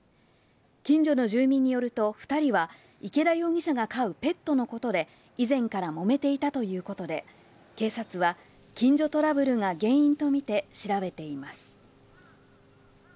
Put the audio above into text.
近所の住民によると、２人は、池田容疑者が飼うペットのことで以前からもめていたということで、警察は近所トラブルが原因と見て調べています。